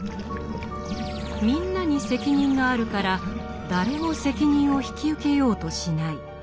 「みんな」に責任があるから誰も責任を引き受けようとしない。